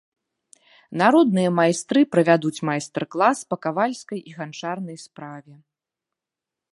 Народныя майстры правядуць майстар-клас па кавальскай і ганчарнай справе.